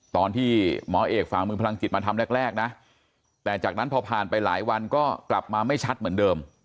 ตอนที่หมอเอกฝ่ามือพลังจิตมาทำแรกนะแต่จากนั้นพอผ่านไปหลายวันก็กลับมาไม่ชัดเหมือนเดิม